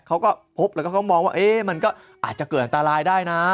เขาก็พบแล้วก็เขามองว่ามันก็อาจจะเกิดอันตรายได้นะ